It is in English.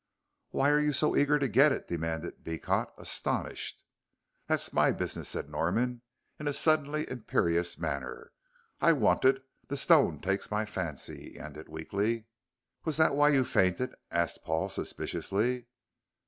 "Why are you so eager to get it?" demanded Beecot, astonished. "That's my business," said Norman, in a suddenly imperious manner. "I want it. The stones take my fancy," he ended weakly. "Was that why you fainted?" asked Paul, suspiciously.